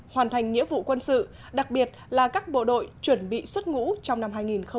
hoàn thành nghĩa vụ quân sự đặc biệt là các bộ đội chuẩn bị xuất ngũ trong năm hai nghìn hai mươi